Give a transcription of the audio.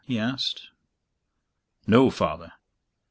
he asked. "No, Father."